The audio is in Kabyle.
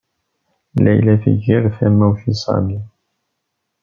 Layla tger tamawt i Sami.